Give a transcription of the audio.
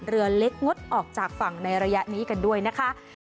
เรือเล็กงดออกจากฝั่งในระยะนี้กันด้วยนะคะ